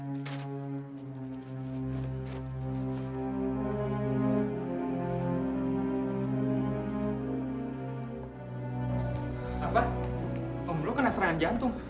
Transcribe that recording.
apa om lo kena serangan jantung